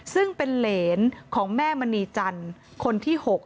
ซึ่งเป็นเหรนของแม่มณีจันทร์คนที่๖